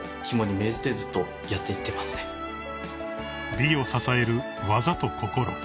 ［美を支える技と心］